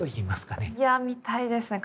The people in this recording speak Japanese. いや見たいですね。